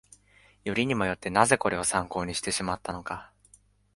よりにもよって、なぜこれを参考にしてしまったのか